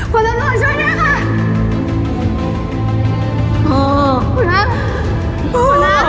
คุณบอร์ช่วยด้วยค่ะ